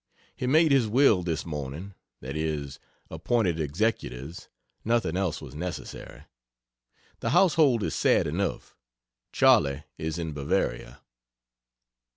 He made his will this morning that is, appointed executors nothing else was necessary. The household is sad enough Charley is in Bavaria.